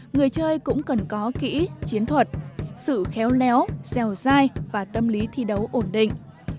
người chơi cũng cần có kỹ chiến thuật sự khéo léo dèo dai và tâm lý thi đấu ổn định